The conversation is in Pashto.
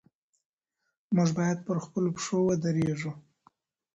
موږ بايد پر خپلو پښو ودرېږو.